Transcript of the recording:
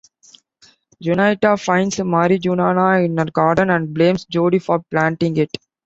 Juanita finds marijuana in her garden and blames Jody for planting it.